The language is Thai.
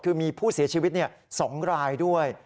คือมีผู้เสียชีวิต๒รายด้วย